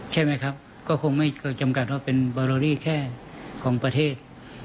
ใช่ไหมครับก็คงไม่เคยจำกัดว่าเป็นบารอรี่แค่ของประเทศ